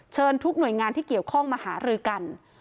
ทุกหน่วยงานที่เกี่ยวข้องมาหารือกัน